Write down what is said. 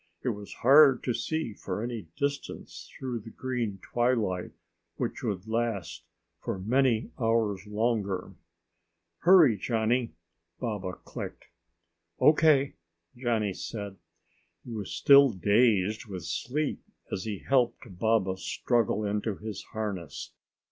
It was hard to see for any distance through the green twilight which would last for many hours longer. "Hurry, Johnny!" Baba clicked. "O.K." Johnny said. He was still dazed with sleep as he helped Baba struggle into his harness.